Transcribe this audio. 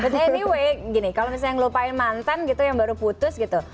but anyway gini kalau misalnya yang lupain mantan gitu yang baru putus gitu